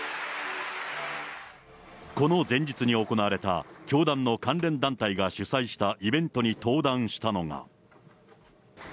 この前日に行われた、教団の関連団体が主催したイベントに登壇したのが。